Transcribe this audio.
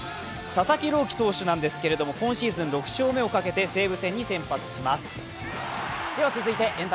佐々木朗希投手ですが今シーズン６勝目をかけて西武戦に臨みます。